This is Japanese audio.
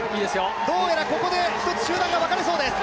どうやらここで一つ集団が分かれそうです。